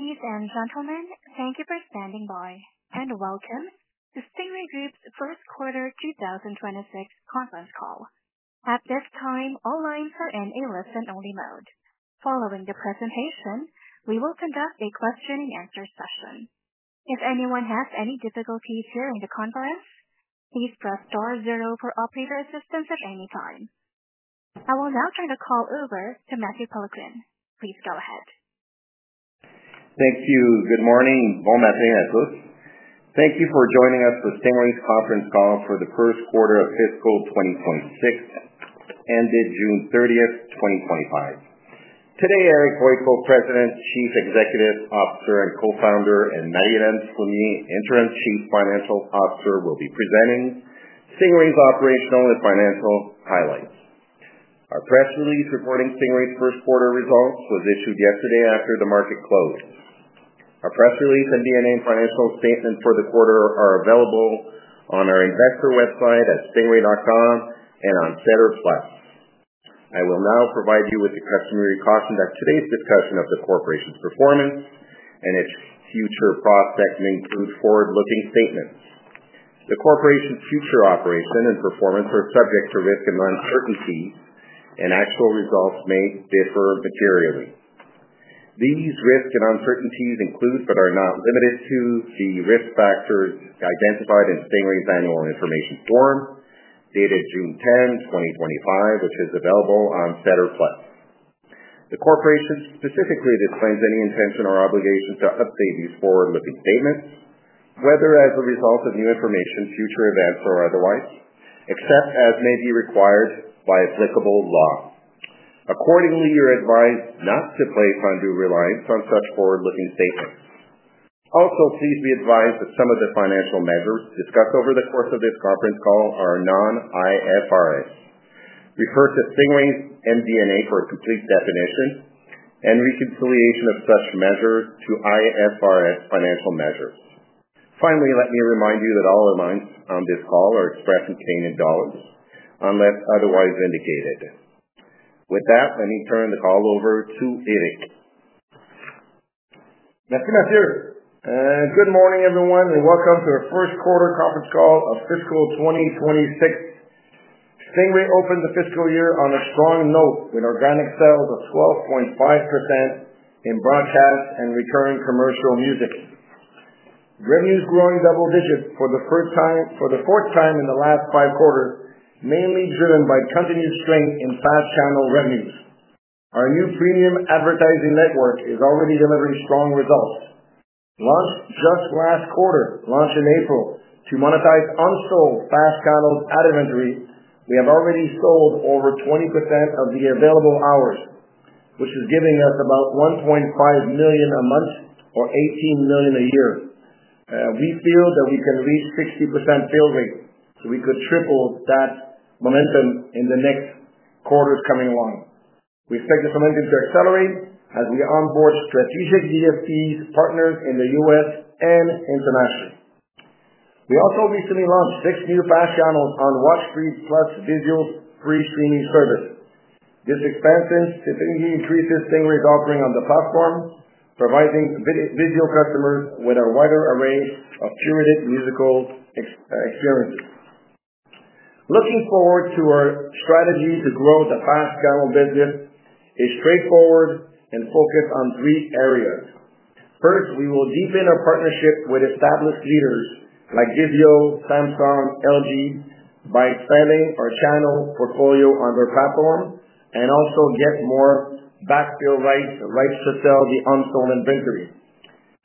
Ladies and gentlemen, thank you for standing by, and welcome to Stingray Group's First Quarter twenty twenty six Conference Call. At this time, all lines are in a listen only mode. Following the presentation, we will conduct a question and answer session. I will now turn the call over to Matthew Peloquin. Please go ahead. Thank you. Good morning, Bonnathri and Atos. Thank you for joining us for Stengeri's conference call for the 2026 ended 06/30/2025. Today, Eric Voigtko, President, Chief Executive Officer and Co Founder and Maggie Renz Flumier, Interim Chief Financial Officer, will be presenting Stingray's operational and financial highlights. Our press release reporting Stingray's first quarter results was issued yesterday after the market closed. Our press release and D and A and financial statements for the quarter are available on our investor website at stingray.com and on Sutter plus I will now provide you with the customary caution that today's discussion of the corporation's performance and its future prospects may include forward looking statements. The corporation's future operation and performance are subject to risks and uncertainties, and actual results may differ materially. These risks and uncertainties include, but are not limited to, the risk factors identified in Stingray's annual information form dated 06/10/2025, which is available on SEDAR plus The corporation specifically disclaims any intention or obligation to update these forward looking statements, whether as a result of new information, future events or otherwise, except as may be required by applicable law. Accordingly, you're advised not to place undue reliance on such forward looking statements. Also, please be advised that some of the financial measures discussed over the course of this conference call are non IFRS. Refer to Singway's MD and A for a complete definition and reconciliation of such measures to IFRS financial measures. Finally, let me remind you that all lines on this call are expressed in Canadian dollars unless otherwise indicated. With that, let me turn the call over to Good morning, everyone, and welcome to our first quarter conference call of fiscal twenty twenty six. Stingray opened the fiscal year on a strong note with organic sales of 12.5% in broadcast and recurring commercial music. Revenues growing double digit for the first time for the fourth time in the last five quarters, mainly driven by continued strength in fast channel revenues. Our new premium advertising network is already delivering strong results. Launched just last quarter, launched in April, to monetize unsold fast channels ad inventory, we have already sold over 20% of the available hours, which is giving us about 1,500,000.0 a month or 18,000,000 a year. We feel that we can reach 60% field rate, so we could triple that momentum in the next quarters coming along. We expect this momentum to accelerate as we onboard strategic DSPs partners in The U. S. And internationally. We also recently launched six new fast channels on Watch3 plus visuals free streaming service. This expansion significantly increases Stingray's offering on the platform, providing video customers with a wider array of curated musical experiences. Looking forward to our strategy to grow the fast channel business is straightforward and focused on three areas. First, we will deepen our partnership with established leaders like Vimeo, Samsung, LG by selling our channel portfolio on their platform and also get more backfill rights to sell the on stone inventory.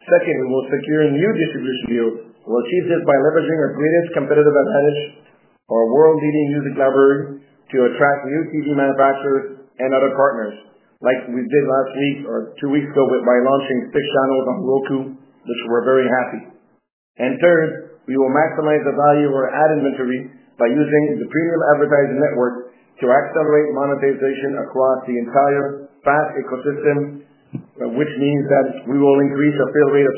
Second, we will secure a new distribution deal. We'll achieve this by leveraging our greatest competitive advantage, our world leading music lover to attract new TV manufacturers and other partners, like we did last week or two weeks ago by launching six channels on Roku, which we're very happy. And third, we will maximize the value of our ad inventory by using the premium advertising network to accelerate monetization across the entire fast ecosystem, which means that we will increase our fill rate of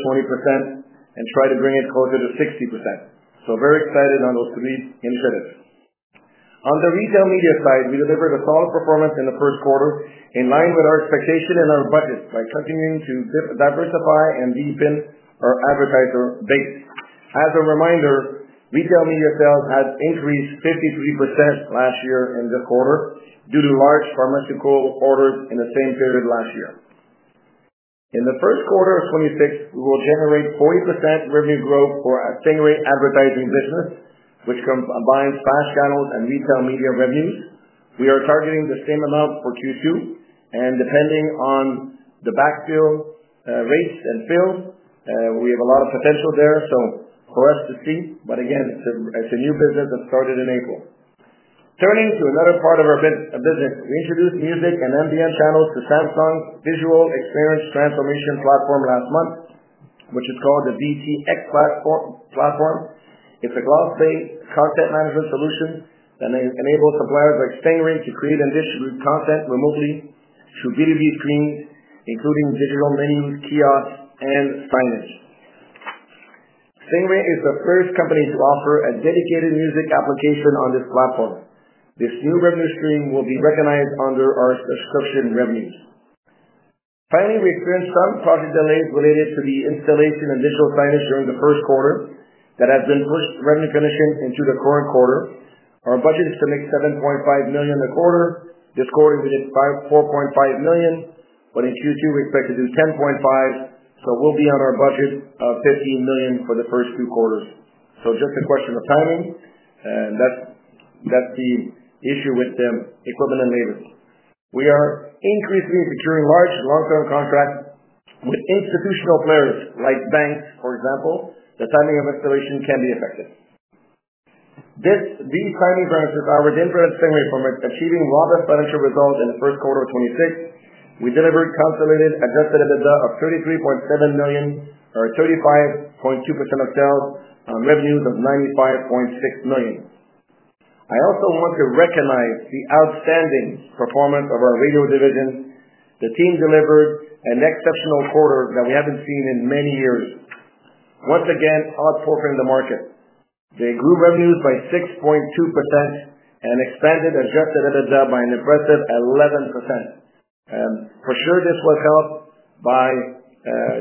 20% and try to bring it closer to 60%. So very excited on those three initiatives. On the Retail Media side, we delivered a solid performance in the first quarter, in line with our expectation and our budget by continuing to diversify and deepen our advertiser base. As a reminder, retail media sales has increased 53% last year in the quarter due to large pharmaceutical orders in the same period last year. In the '26, we will generate 40% revenue growth for our Singer advertising business, which combines fast channels and retail media revenues. We are targeting the same amount for Q2. And depending on the backfill rates and fill, we have a lot of potential there. So for us to see, but again, it's a new business that started in April. Turning to another part of our business, we introduced music and MVN channels to Samsung's visual experience transformation platform last month, which is called the VTX platform. It's a glass based content management solution that enables suppliers like Stingray to create and distribute content remotely through B2B screens, including digital menus, kiosks and signage. Cengage is the first company to offer a dedicated music application on this platform. This new revenue stream will be recognized under our subscription revenues. Finally, we experienced some project delays related to the installation of initial signage during the first quarter that has been pushed revenue finishing into the current quarter. Our budget is to make $7,500,000 a quarter. This quarter, did $4,500,000 but in Q2, we expect to do 10,500,000.0 So we'll be on our budget of $15,000,000 for the first two quarters. So just a question of timing, and that's the issue with the equipment and labor. We are increasingly securing large long term contracts with institutional players like banks, for example, the timing of installation can be effective. This these timing promises our interest from achieving robust financial results in the '6. We delivered consolidated adjusted EBITDA of $33,700,000 or 35.2% of sales on revenues of $95,600,000 I also want to recognize the outstanding performance of our radio division. The team delivered an exceptional quarter that we haven't seen in many years. Once again, outperforming the market. They grew revenues by 6.2% and expanded adjusted EBITDA by an impressive 11%. For sure, this was helped by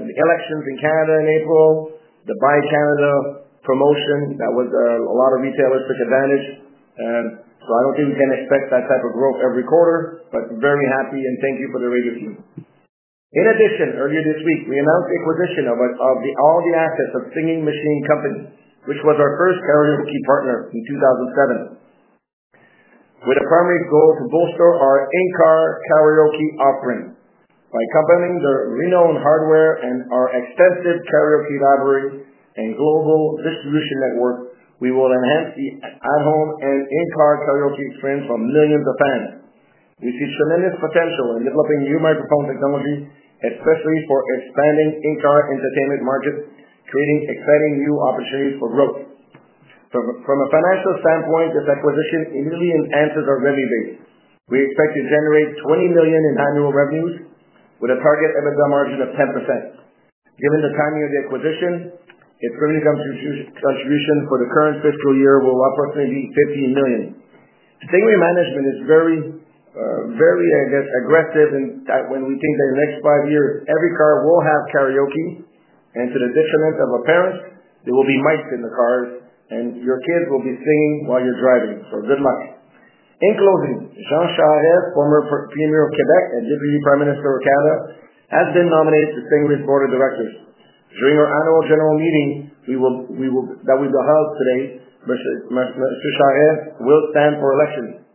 the elections in Canada in April, assets of Singing Machine Company, which was our first karaoke partner in 02/2007, with a primary goal to bolster our in car karaoke offering. By accompanying the renowned hardware and our extensive karaoke library and global distribution network, we will enhance the at home and in car karaoke experience from millions of fans. We see tremendous potential in developing new microphone technology, especially for expanding in car entertainment market, creating exciting new opportunities for growth. From a financial standpoint, this acquisition immediately enhances our revenue base. We expect to generate 20,000,000 in annual revenues with a target EBITDA margin of 10%. Given the timing of the acquisition, its premium contribution for the current fiscal year will approximately $15,000,000 The thing we management is very, very aggressive and that when we think that in the next five years, every car will have karaoke and to the detriment of a parent, there will be mics in the cars and your kids will be singing while you're driving. So good luck. In closing, Jean Charre, former Premier of Quebec and Deputy Prime Minister of Canada has been nominated to Stingray's board of directors. During our annual general meeting, we will we will that we will have today, mister mister Charret will stand for election.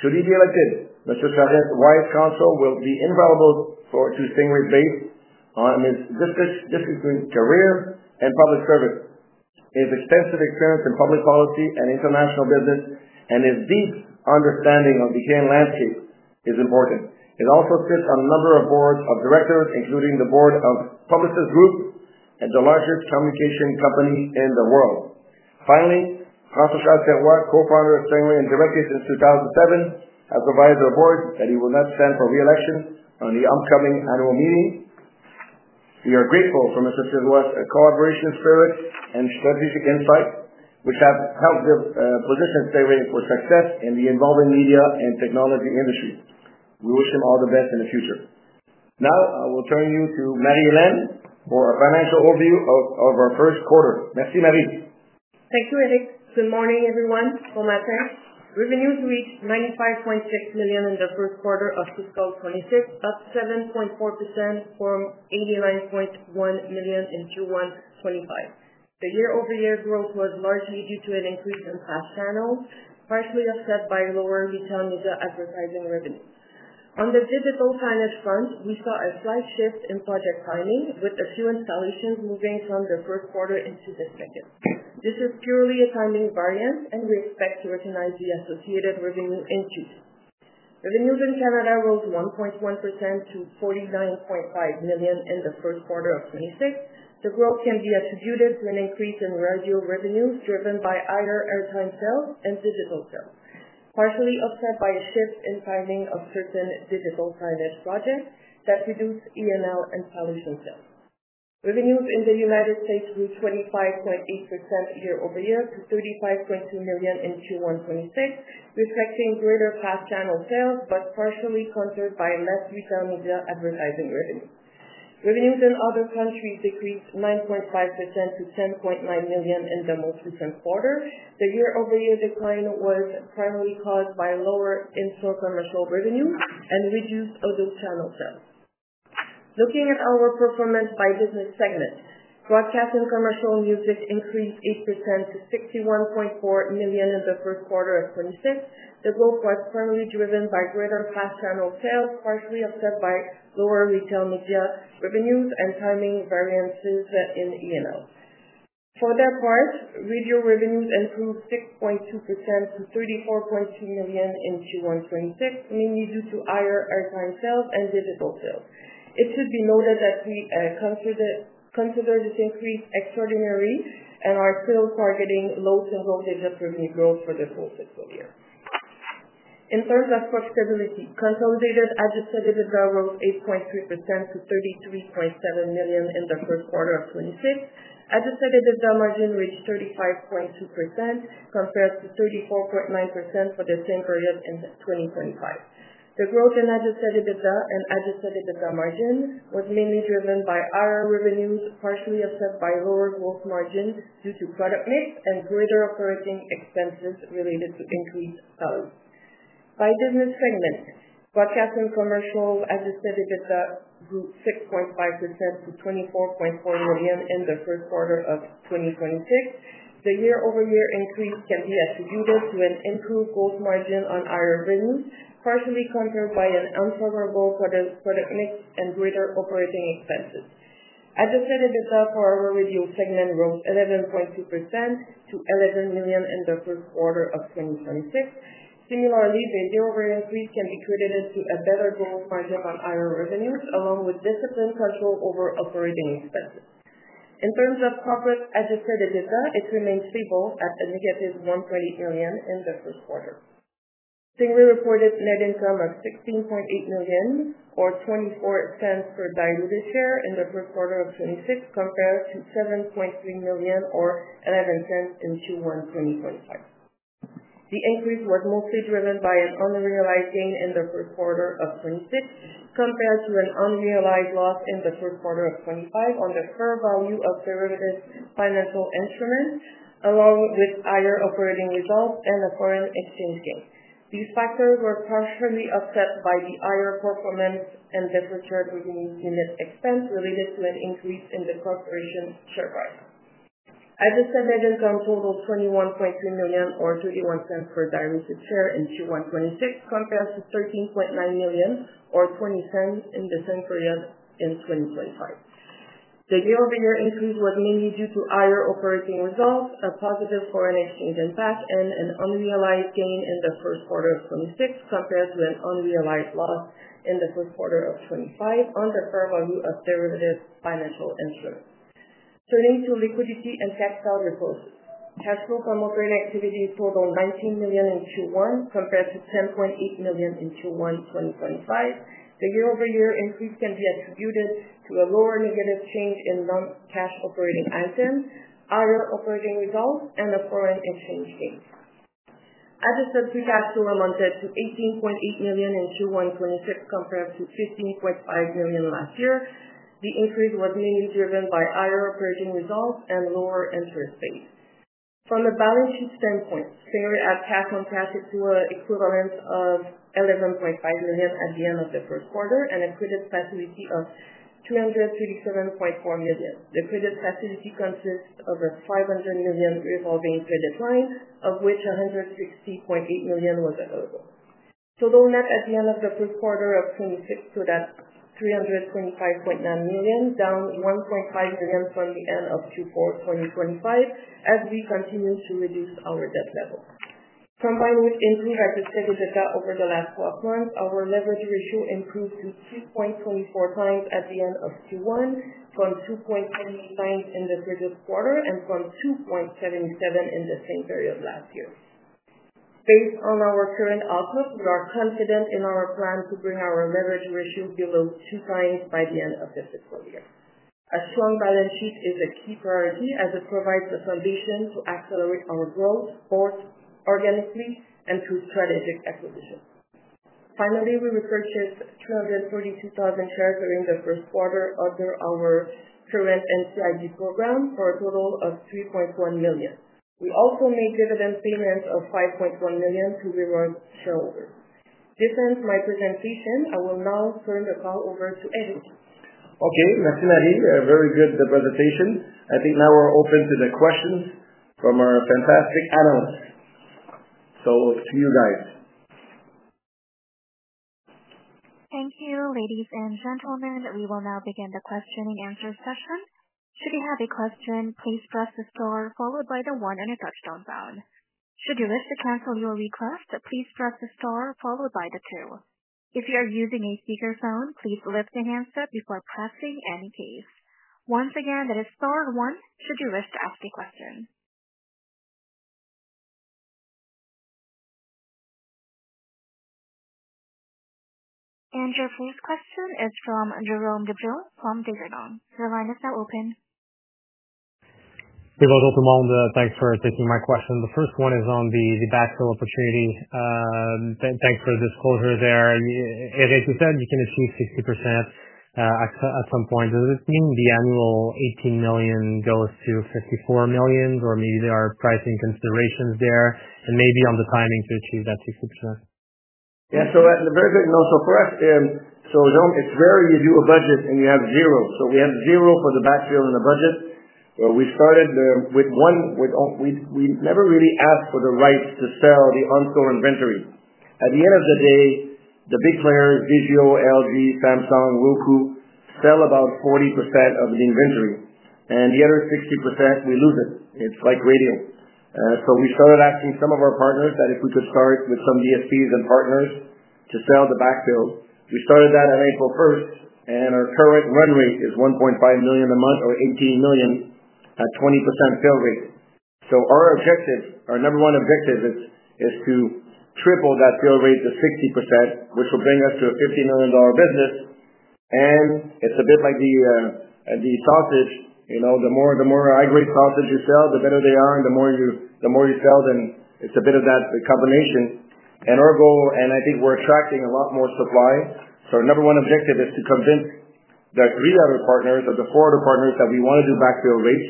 Should he be elected, mister Charret's wife council will be invaluable for to Stingray's base on his disciplined career and public service. His extensive experience in public policy and international business and his deep understanding of the game landscape is important. It also sits on a number of Boards of Directors, including the Board of Publicis Group and the largest communication company in the world. Finally, Francois Gerard, Co Founder of Stringway and Director since 02/2007, has provided the Board that he will not stand for reelection on the upcoming annual meeting. We are grateful for Mr. Cairua's cooperation spirit and strategic insight, which has helped position Stairway for success in the evolving media and technology industry. We wish him all the best in the future. Now I will turn you to Marie Lynn for a financial overview of our first quarter. Marie? Thank you, Alex. Good morning, everyone. Revenues reached 95,600,000.0 in the '26, up 7.4% from 89,100,000.0 in Q1 twenty five. The year over year growth was largely due to an increase in fast channel, partially offset by lower retail media advertising revenue. On the digital signage front, we saw a slight shift in project timing with a few installations moving from the first quarter into the second. This is purely a timing variance, and we expect to recognize the associated revenue in Q2. Revenues in Canada rose 1.1% to 49,500,000.0 in the '26. The growth can be attributed to an increase in revenue driven by higher airtime sales and digital sales, partially offset by a shift in timing of certain digital signage projects that reduced E and L and solution sales. Revenues in The United States grew 25.8% year over year to 35,200,000.0 in Q1 twenty six, reflecting greater past channel sales, but partially conquered by less retail media advertising revenue. Revenues in other countries decreased 9.5% to $10,900,000 in the most recent quarter. The year over year decline was primarily caused by lower in store commercial revenue and reduced other channel sales. Looking at our performance by business segment. Broadcast and commercial music increased 8% to 61,400,000.0 in the '26. The growth was primarily driven by greater fast channel sales, partially offset by lower retail media revenues and timing variances in e and l. For their part, video revenues improved 6.2% to 34,200,000.0 in Q1 twenty six, mainly due to higher airtime sales and digital sales. It should be noted that we consider this increase extraordinary and are still targeting low single digit revenue growth for the full fiscal year. In terms of profitability, consolidated adjusted EBITDA rose 8.3% to $33,700,000 in the '26. Adjusted EBITDA margin reached 35.2% compared to 34.9% for the same period in 2025. The growth in adjusted EBITDA and adjusted EBITDA margin was mainly driven by higher revenues, partially offset by lower gross margin due to product mix and greater operating expenses related to increased sales. By business segment, Broadcast and Commercial adjusted EBITDA grew 6.5% to 24,400,000 in the 2026. The year over year increase can be attributed to an improved gross margin on higher revenues, partially conquered by an unfavorable product mix and greater operating expenses. Adjusted EBITDA for our revenue segment rose 11.2% to $11,000,000 in the 2026. Similarly, the year over year increase can be credited to a better growth margin on higher revenues along with disciplined control over operating expenses. In terms of corporate adjusted EBITDA, it remained stable at a negative 1,800,000 in the first quarter. Singular reported net income of $16,800,000 or $0.24 per diluted share in the '6 compared to $7,300,000 or $0.11 in Q1 twenty twenty five. The increase was mostly driven by an unrealized gain in the '6 compared to an unrealized loss in the '5 on the fair value of derivative financial instruments, along with higher operating results and the foreign exchange gains. These factors were partially offset by the higher performance and the deferred revenue unit expense related to an increase in the corporation share price. Adjusted net income totaled $21,300,000 or $0.31 per diluted share in Q1 'twenty six compared to $13,900,000 or $0.20 in the same period in 2025. The year over year increase was mainly due to higher operating results, a positive foreign exchange impact and an unrealized gain in the '6 compared to an unrealized loss in the '5 on the fair value of derivative financial insurance. Turning to liquidity and tax value process. Cash flow from operating activities totaled 19,000,000 in q one compared to 10,800,000.0 in q one twenty twenty five. The year over year increase can be attributed to a lower negative change in non cash operating items, higher operating results and the foreign exchange gains. Adjusted free cash flow amounted to $18,800,000 in Q1 'twenty six compared to $15,500,000 last year. The increase was mainly driven by higher operating results and lower interest rates. From a balance sheet standpoint, Sperry had cash on cash equivalent of 11,500,000.0 at the end of the first quarter and a credit facility of $237,400,000 The credit facility consists of a $500,000,000 revolving credit line, of which $160,800,000 was available. Total net at the end of the '26 stood at twelve months, our leverage ratio improved to 2.24 times at the end of q one from 02/1928 times in the previous quarter and from 2.77 in the same period last year. Based on our current outlook, we are confident in our plan to bring our leverage ratio below two times by the end of this fiscal year. A strong balance sheet is a key priority as it provides the foundation to accelerate our growth both organically and through strategic acquisitions. Finally, we repurchased 242,000 shares during the first quarter under our current NCIB program for a total of 3,100,000.0. We also made dividend payments of $5,100,000 to reward shareholders. This ends my presentation. I will now turn the call over to Eddy. Okay. Martin, very good presentation. I think now we're open to the questions from our fantastic analysts. So to you guys. Thank you, ladies and gentlemen. We will now begin the question and answer Should you have a question, please press the star followed by the one on your touch tone phone. Should you wish to cancel your request, please press the star followed by the two. If you are using a speaker phone, please lift the handset before pressing any case. And your first question is from Jerome DeBrill from Desjardins. The first one is on the backfill opportunity. Thanks for the disclosure there. And as you said, you can achieve 60% at some point. Does it mean the annual $18,000,000 goes to $54,000,000 or maybe there are pricing considerations there and maybe on the timing to achieve that 60%? Yes. So that's a very good note. So for us, so we don't it's very you do a budget and you have zero. So we have zero for the backfill in the budget. We started with one with we we never really asked for the rights to sell the on store inventory. At the end of the day, the big players, Vizio, LG, Samsung, Roku, sell about 40% of the inventory. And the other 60%, we lose it. It's like radio. So we started asking some of our partners that if we could start with some DSPs and partners to sell the backfill. We started that on April 1, and our current run rate is 1,500,000.0 a month or 18,000,000 at 20% fill rate. So our objective, our number one objective is to triple that fill rate to 60%, which will bring us to a $50,000,000 business. And it's a bit like the sausage, the more the more high grade sausage you sell, the better they are and the more you the more you sell them, it's a bit of that combination. And our goal, and I think we're attracting a lot more supply. So our number one objective is to convince the three other partners or the four other partners that we want to do backfill rates,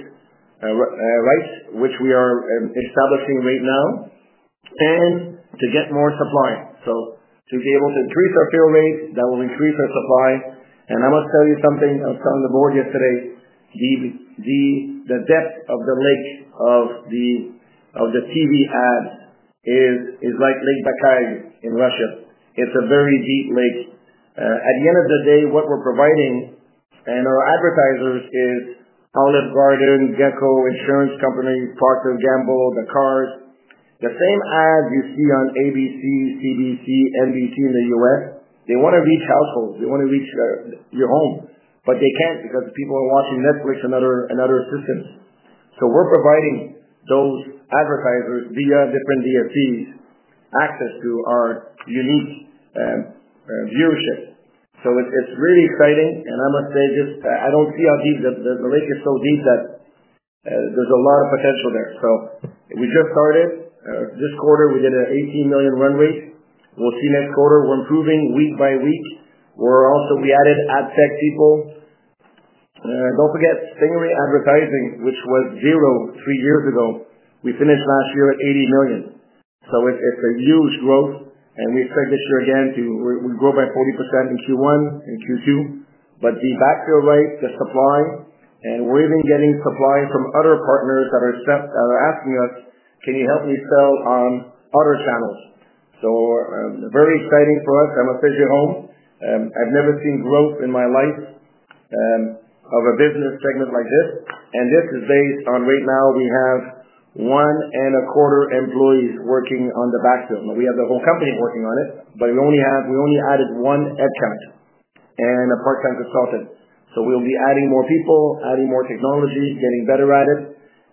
right, which we are establishing right now and to get more supply. So to be able to increase our fill rate, that will increase our supply. And I must tell you something, I was telling the board yesterday, the depth of the lake of the TV ad is like Lake Bacay in Russia. It's a very deep lake. At the end of the day, what we're providing and our advertisers is Olive Garden, Gecko Insurance Company, Procter and Gamble, the cars. The same ad you see on ABC, CBC, NBT in The US, they wanna reach households. They wanna reach your home, but they can't because people are watching Netflix and other and other systems. So we're providing those advertisers via different DSPs access to our unique viewership. So it's really exciting. And I must say this, I don't see how deep the rate is so deep that there's a lot of potential there. So we just started. This quarter, we did an 18,000,000 run rate. We'll see next quarter, we're improving week by week. We're also we added ad tech people. Don't forget, Stingray advertising, which was zero three years ago. We finished last year at 80,000,000. So it's a huge growth, and we expect this year again to grow by 40% in Q1 and Q2. But the backfill rate, the supply, and we've been getting supply from other partners that are asking us, can you help me sell on other channels. So very exciting for us, I'm a Sage Home. I've never seen growth in my life of a business segment like this. And this is based on right now we have 1.25 employees working on the back. We have the whole company working on it, but we only added one headcount and a part time consultant. So we'll be adding more people, adding more technology, getting better at it,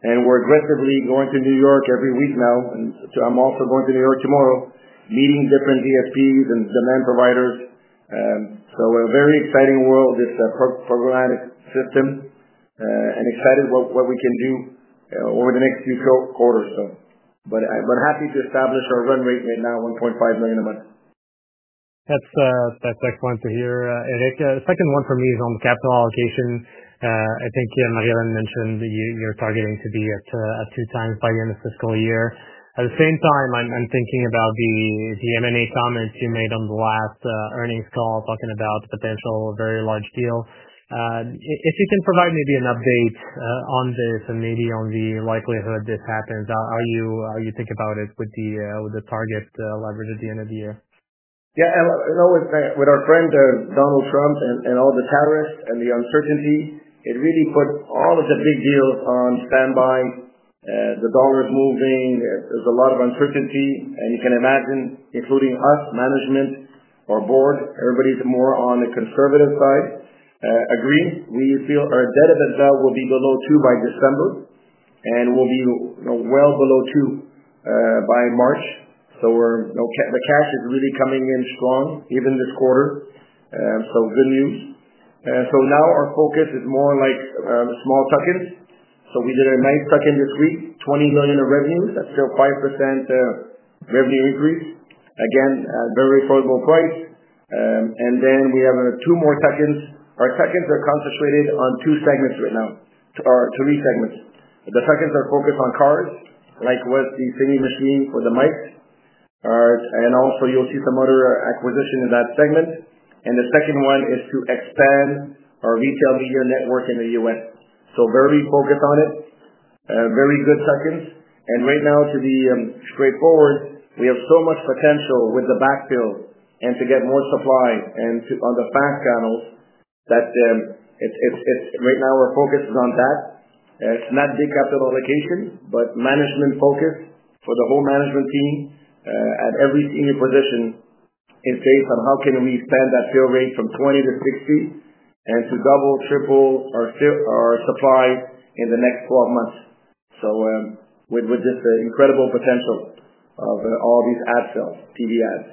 and we're aggressively going to New York every week now. And I'm also going to New York tomorrow, meeting different DSPs and demand providers. So a very exciting world, this programmatic system and excited what we can do over the next few quarters. So but I'm to establish our run rate right now, 1,500,000.0 a month. That's excellent to hear. Eric, second one for me is on capital allocation. I think you and Marielen mentioned that you're targeting to be at two times by the end of fiscal year. At the same time, I'm thinking about the M and A comments you made on the last earnings call talking about potential very large deal. If you can provide maybe an update on this and maybe on the likelihood this happens, are you thinking about it with the target leverage at the end of the year? Yes. And I would say with our friend, Donald Trump and all the tariffs and the uncertainty, it really put all of the big deals on standby. The dollar is moving. There's a lot of uncertainty. And you can imagine, including us, management, our Board, everybody is more on the conservative side. Agree, we feel our debt EBITDA will be below two by December and will be well below two by March. So we're the cash is really coming in strong even this quarter. So good news. So now our focus is more like the small tuck ins. So we did a nice tuck in this week, 20,000,000 of revenues, that's still 5% revenue increase, again, very affordable price. And then we have two more tuck ins. Our tuck ins are concentrated on two segments right now or three segments. The tuck ins are focused on cars, like what the semi machine for the mic. And also you'll see some other acquisition in that segment. And the second one is to expand our retail media network in The U. S. So very focused on it, very good tuck ins. And right now to be straightforward, we have so much potential with the backfill and to get more supply and on the fast channels that it's right now, our focus is on that. It's not big capital allocation, but management focus for the whole management team at every senior position is based on how can we expand that fill rate from 20 to 60 and to double, triple our supply in the next twelve months. So with this incredible potential of all these ad sales, TV ads.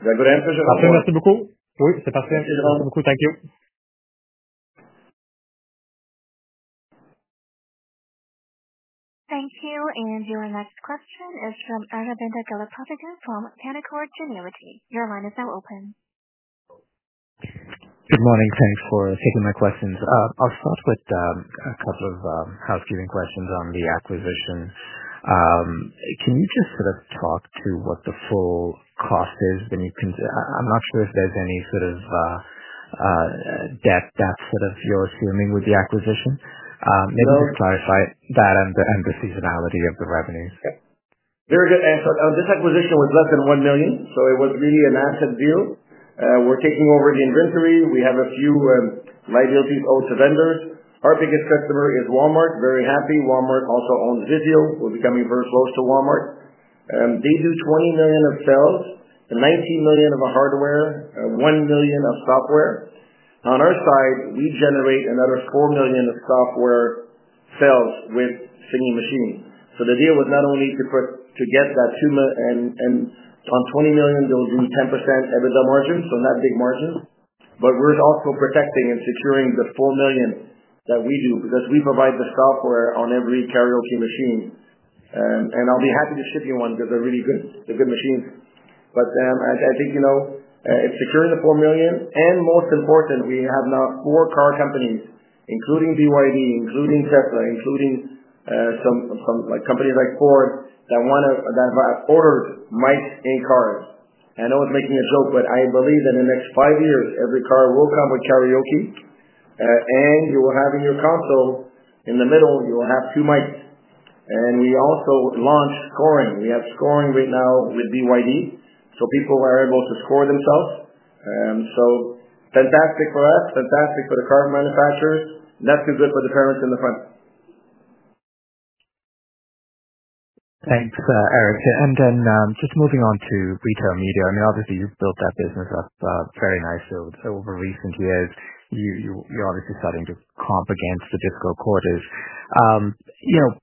Is that a good answer, Jose? Thank you. Thank you. And your next question is from Aravinda Galappatthige from Canaccord Genuity. Your line is now open. I'll start with a couple of housekeeping questions on the acquisition. Can you just sort of talk to what the full cost is? Then you can I'm not sure if there's any sort of debt that sort of you're assuming with the acquisition. Maybe just clarify that and seasonality of the revenues. Very good answer. This acquisition was less than $1,000,000 So it was really an asset deal. We're taking over the inventory. We have a few liabilities owed to vendors. Our biggest customer is Walmart, very happy. Walmart also owns Visio. We're becoming very close to Walmart. They do $20,000,000 of sales, and 19,000,000 of a hardware, 1,000,000 of software. On our side, we generate another 4,000,000 of software sales with Singing Machine. So the deal was not only to get that tumor and and on 20,000,000, they'll do 10% EBITDA margin, so not big margin. But we're also protecting and securing the 4,000,000 that we do because we provide the software on every karaoke machine. I'll be happy to ship you one because they're really good. They're good machines. But I think, you know, securing the 4,000,000 and most important, we have now four car companies, including BYD, including Tesla, including some some, like, companies like Ford that want to that have ordered mics in cars. And I was making a joke, but I believe that in the next five years, every car will come with karaoke. And you will have in your console, in the middle, you will have two mics. And we also launched scoring. We have scoring right now with BYD. So people are able to score themselves. So fantastic for us, fantastic for the car manufacturers, and that's too good for the parents in the front. Thanks, Eric. And then just moving on to Retail Media. I mean, obviously, you've built that business up very nicely over recent years. You're obviously starting to comp against the fiscal quarters.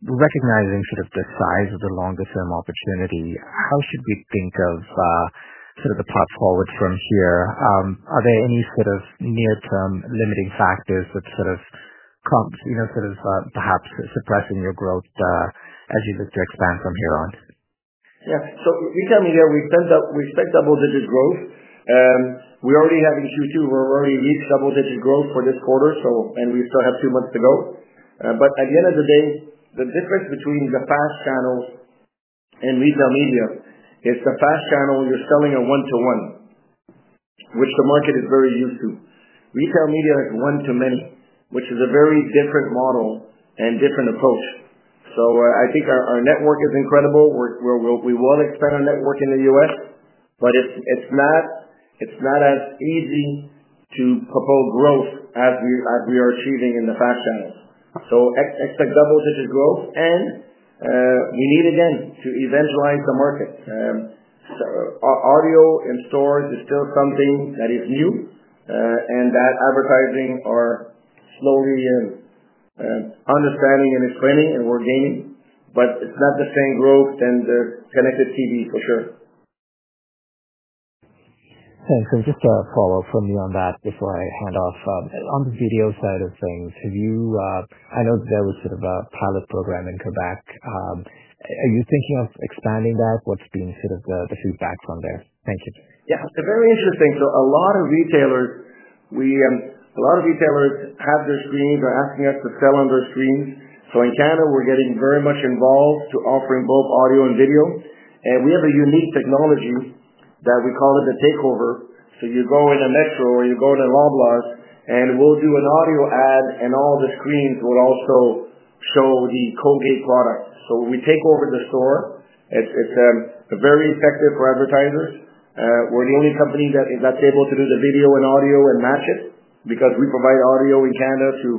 Recognizing sort of the size of the longer term opportunity, how should we think of sort of the path forward from here? Are there any sort of near term limiting factors that sort of comps sort of perhaps suppressing your growth as you look to expand from here on? Yes. So we tell me that we expect double digit growth. We already have in Q2, we're already reached double digit growth for this quarter. So and we still have two months to go. But at the end of the day, the difference between the fast channels and retail media is the fast channel you're selling a one to one, which the market is very used to. Retail media is one to many, which is a very different model and different approach. So I think our network is incredible. We will expand our network in The U. S, but it's not as easy to propel growth as we are achieving in the fashion. So expect double digit growth, and we need again to eventualize the market. Audio in stores is still something that is new and that advertising are slowly understanding and explaining and we're gaining, but it's not the same growth than the Connected TV for sure. Thanks. And just a follow-up for me on that before I hand off. On the video side of things, have you I know there was sort of a pilot program in Quebec. Are you thinking of expanding that? What's been sort of the feedback from there? Thank you. Yes. It's very interesting. So a lot of retailers, we a lot of retailers have their screens. They're asking us to sell on their screens. So in Canada, we're getting very much involved to offering both audio and video. And we have a unique technology that we call it the takeover. So you go into Metro or you go to Loblaws, and we'll do an audio ad and all the screens will also show the Colgate product. So when we take over the store, it's very effective for advertisers. We're the only company that's able to do the video and audio and match it because we provide audio in Canada to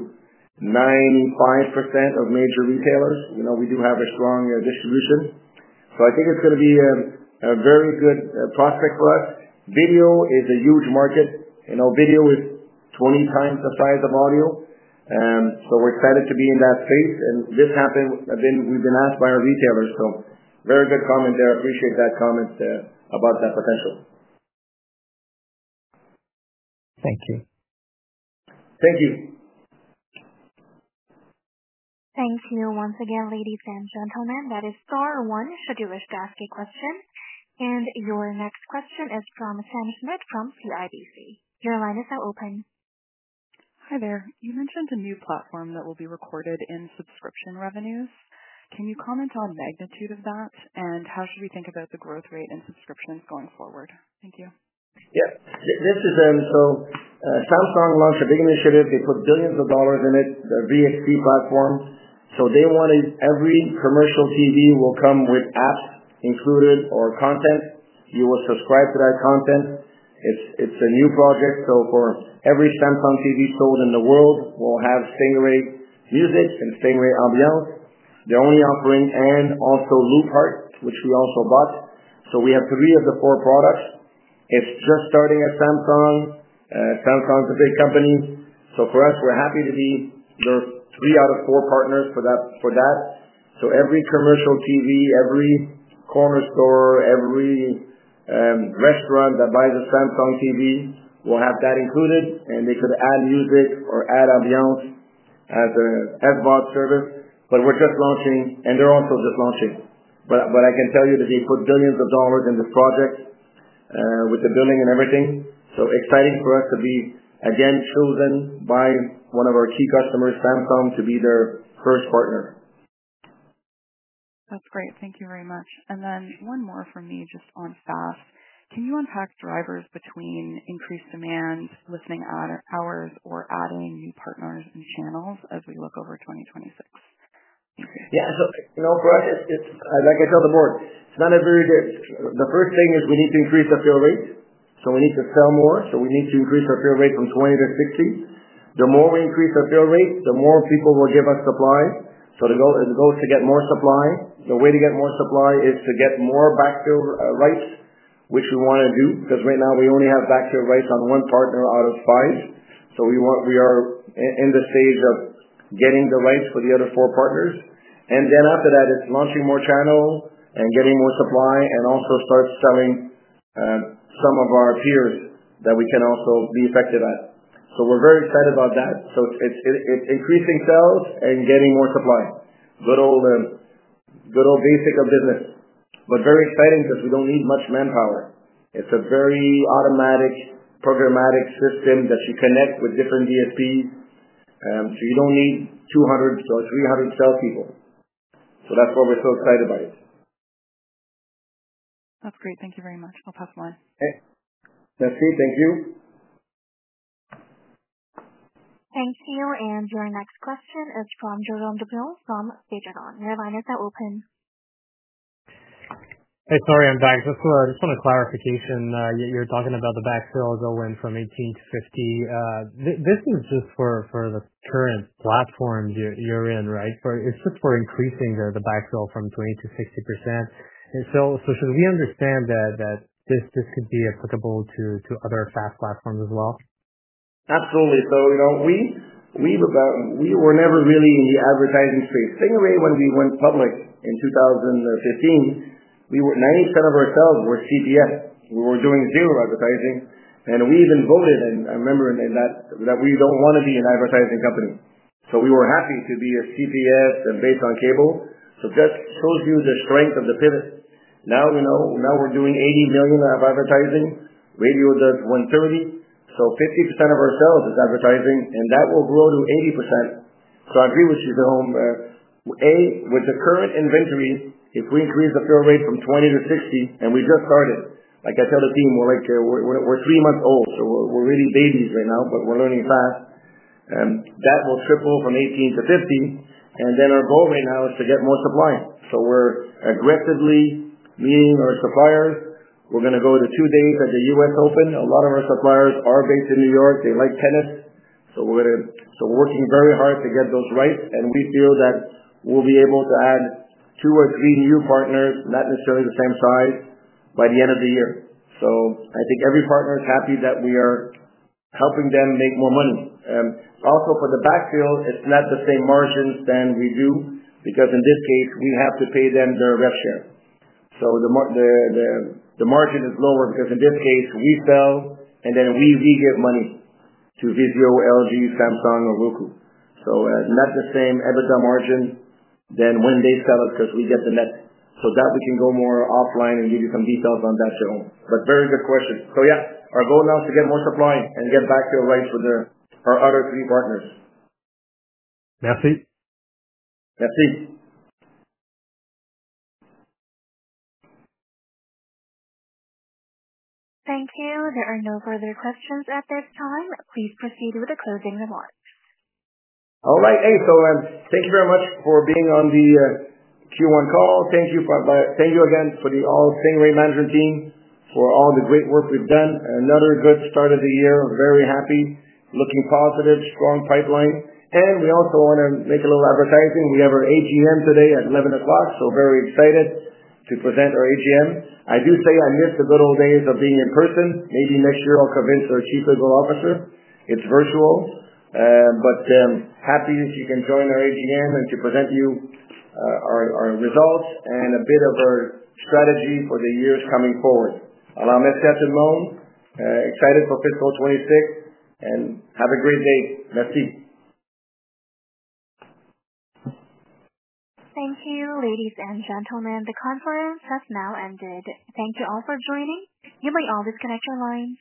95% of major retailers. We do have a strong distribution. So I think it's going to be a very good prospect for us. Video is a huge market. Video is 20x the size of audio. So we're excited to be in that space. And this happened, I've been we've been asked by our retailers. Very good comment there. I appreciate that comment about that potential. Thank you. Thank you. Thank you. And your next question is from Sam Schmidt from CIBC. Your line is now open. Hi there. You mentioned a new platform that will be recorded in subscription revenues. Can you comment on magnitude of that? And how should we think about the growth rate in subscriptions going forward? Thank you. Yeah. This is so Samsung launched a big initiative. They put billions of dollars in it, the VXT platform. So they wanted every commercial TV will come with apps included or content. You will subscribe to that content. It's it's a new project. So for every Samsung TV sold in the world, we'll have Stingray Music and Stingray Albion. They're only offering and also Loop Heart, which we also bought. So we have three of the four products. It's just starting at Samsung. Samsung is a big company. So for us, we're happy to be the three out of four partners for that for that. So every commercial TV, every corner store, every restaurant that buys a Samsung TV will have that included and they could add music or add ambience as a SVOD service, but we're just launching and they're also just launching. But I can tell you that they put billions of dollars in this project with the billing and everything. So exciting for us to be, again, chosen by one of our key customers, Samsung, to be their first partner. That's great. And then one more for me just on SaaS. Can you unpack drivers between increased demand, listening hours or adding new partners and channels as we look over 2026? Yes. So for us, it's like I tell the Board, it's not a very good the first thing is we need to increase the fill rate. So we need to sell more. So we need to increase our fill rate from 20 to 60. The more we increase our fill rate, the more people will give us supply. So the goal is to get more supply. The way to get more supply is to get more backfill rights, which we want to do because right now we only have backfill rights on one partner out of five. So we are in the stage of getting the rights for the other four partners. And then after that, it's launching more channel and getting more supply and also start selling some of our peers that we can also be effective at. So we're very excited about that. So it's increasing sales and getting more supply. Basic of business, but very exciting because we don't need much manpower. It's a very automatic programmatic system that you connect with different DSPs. So you don't need 200 or 300 salespeople. So that's why we're so excited about it. And your next question is from Jerome DeBrill from Desjardins. Your line is now open. Hey, sorry, I'm back. Just want a clarification. You're talking about the back sales that went from 18 to 50. This is just for the current platform you're you're in. Right? For it's just for increasing the the backfill from 20% to 60%. And so so should we understand that that this this could be applicable to to other fast platforms as well? Absolutely. So we were never really in the advertising space. Same way when we went public in 2015, we were 90% of ourselves were CBS. We were doing zero advertising, and we even voted and remember that we don't want to be an advertising company. So we were happy to be a CBS and based on cable. So that shows you the strength of the pivot. Now we know now we're doing $80,000,000 of advertising. Radio does $130,000,000 So 50% of our sales is advertising, and that will grow to 80%. So I agree with you, Bill. A, with the current inventory, if we increase the fill rate from 20 to 60, and we just started, like I tell the team, we're three months old. So we're really babies right now, but we're learning fast. And that will triple from 18 to 50. And then our goal right now is to get more supply. So we're aggressively meeting our suppliers. We're going to go to two days at the U. S. Open. A lot of our suppliers are based in New York. They like tennis. So we're going to so working very hard to get those right, and we feel that we'll be able to add two or three new partners, not necessarily the same size by the end of the year. So I think every partner is happy that we are helping them make more money. Also for the backfill, it's not the same margins than we do because in this case, we have to pay them their rev share. So the margin is lower because in this case, we sell and then we give money to Vizio, LG, Samsung or Roku. So not the same EBITDA margin than when they sell it because we get the net. So that we can go more offline and give you some details on that too. But very good question. So, yes, our goal now is to get more supply and get back to the right for the our other three partners. Merci. Merci. Thank you. There are no further questions at this time. Please proceed with the closing remarks. All right. Hey, so thank you very much for being on the Q1 call. Thank you for thank you again for the all same rate management team for all the great work we've done. Another good start of the year. I'm very happy, looking positive, strong pipeline. And we also want to make a little advertising. We have our AGM today at 11:00. So very excited to present our AGM. I do say I missed the little days of being in person. Maybe next year, I'll convince our Chief Legal Officer. It's virtual, but happy that you can join our AGM and to present you our results and a bit of our strategy for the years coming forward. I'll now make sense in loan. Excited for fiscal 'twenty six, and have a great day. Thank you. Ladies and gentlemen, the conference has now ended. Thank you all for joining. You may all disconnect your lines.